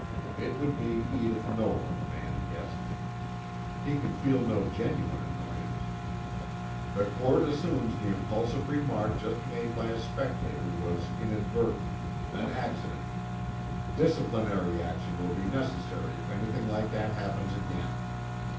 It would be Edith Nolan, Mann guessed; he could feel no genuine annoyance. "The Court assumes the impulsive remark just made by a spectator was inadvertent, an accident. Disciplinary action will be necessary if anything like that happens again.